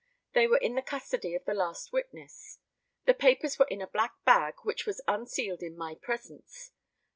They were in the custody of the last witness. The papers were in a black bag, which was unsealed in my presence.